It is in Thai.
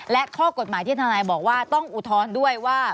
และข้อกฎหมายที่ทนายบอกว่าต้องอุทธรณ์ด้วยว่า